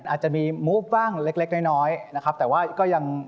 อาจจะมีมุฟบ้างเล็กเล็กน้อยนะครับแต่ว่าก็ยัง